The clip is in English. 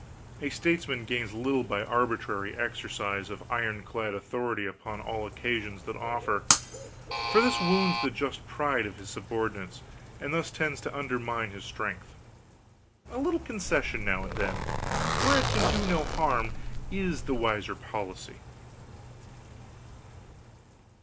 A statesman gains little by the arbitrary exercise of iron clad authority upon all occasions that offer, for this wounds the just pride of his subordinates, and thus tends to undermine his strength. A little concession, now and then, where it can do no harm, is the wiser policy.